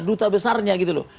duta besarnya gitu loh